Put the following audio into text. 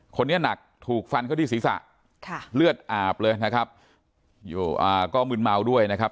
คนนี้หนักถูกฟันเข้าที่ศีรษะค่ะเลือดอาบเลยนะครับอยู่อ่าก็มึนเมาด้วยนะครับ